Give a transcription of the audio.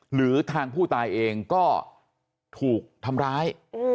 หรือทางผู้ตายเองก็ถูกทำร้าย